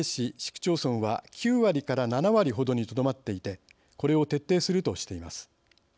区町村は９割から７割ほどにとどまっていてこれを徹底するとしています。